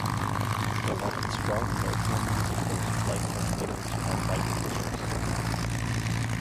They wanted strong emotional music that was played from beginning to end by musicians.